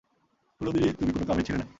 কোনদিনই তুমি কোনো কামের ছিলে না।